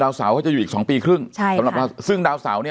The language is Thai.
ดาวเสาร์ก็จะอยู่อีกสองปีครึ่งใช่ค่ะสำหรับเราซึ่งดาวเสาร์เนี้ย